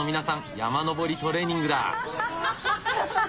山登りトレーニングだ。